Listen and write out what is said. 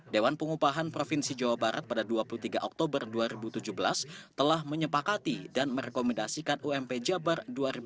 dewan pengupahan provinsi jawa barat pada dua puluh tiga oktober dua ribu tujuh belas telah menyepakati dan merekomendasikan ump jabar dua ribu delapan belas